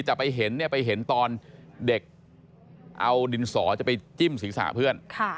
จะไปเห็นตอนเด็กเอาดินสอจะไปจิ้มศีรษะเพื่อน